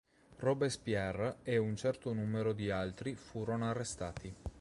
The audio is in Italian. Robespierre e un certo numero di altri furono arrestati.